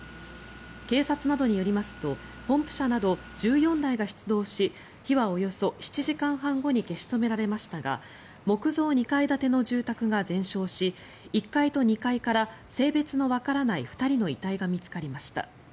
警察などによりますとポンプ車など１４台が出動し火はおよそ７時間半後に消し止められましたが木造２階建ての住宅が全焼し１階と２階から性別のわからない２人の遺体が見つかりました。